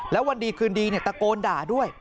แล้ววันดีคืนดีตะโกนด่าด้วย